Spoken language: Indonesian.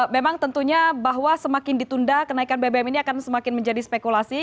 memang tentunya bahwa semakin ditunda kenaikan bbm ini akan semakin menjadi spekulasi